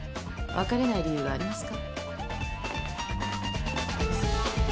別れない理由がありますか？